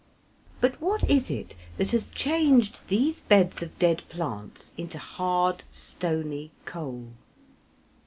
But what is it that has changed these beds of dead plants into hard, stony coal?